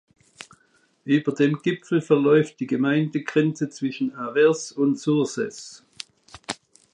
Über dem Gipfel verläuft die Gemeindegrenze zwischen Avers und Surses.